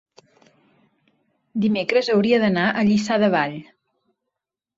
dimecres hauria d'anar a Lliçà de Vall.